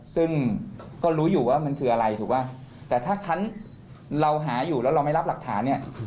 ซึ่งก็รู้อยู่ว่ามันคืออะไรถูกป่ะแต่ถ้าคันเราหาอยู่แล้วเราไม่รับหลักฐานเนี่ย